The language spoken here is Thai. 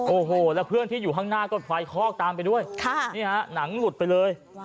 โอ้โหแล้วเพื่อนที่อยู่ข้างหน้าก็ไฟคอกตามไปด้วยนี่ฮะหนังหลุดไปเลย